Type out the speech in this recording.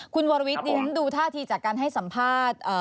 คุณวรวิทย์ดิฉันดูท่าทีจากการให้สัมภาษณ์